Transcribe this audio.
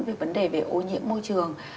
về vấn đề về ô nhiễm môi trường